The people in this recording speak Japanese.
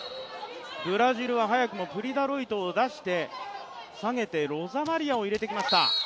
ブラジルは早くもプリ・ダロイトを下げてロザマリアを入れてきました。